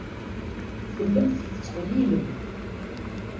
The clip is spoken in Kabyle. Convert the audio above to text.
Tellamt tettqeyyilem.